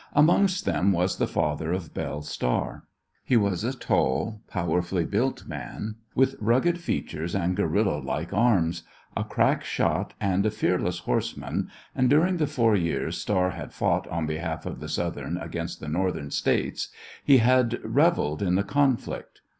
Amongst them was the father of Belle Star. He was a tall, powerfully built man, with rugged features and gorilla like arms, a crack shot and a fearless horseman, and during the four years Star had fought on behalf of the Southern against the Northern States he had revelled in the conflict.